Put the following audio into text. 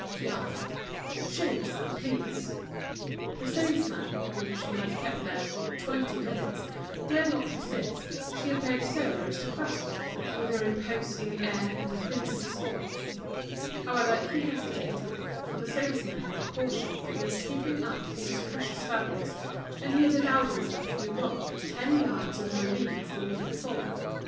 she asked; "show me some, please." The salesman, whom she had kept there for twenty minutes, dared not resist, she appeared so aristocratic, with her imposing' air and princess's voice. However, he hesitated, for the salesmen were cautioned against heaping up these precious fabrics, and he had allowed himself to be robbed of ten yards of Malines the week before.